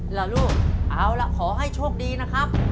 เหรอลูกเอาล่ะขอให้โชคดีนะครับ